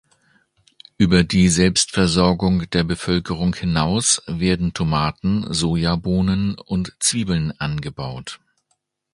Über die Selbstversorgung der Bevölkerung hinaus werden Tomaten, Sojabohnen und Zwiebeln angebaut.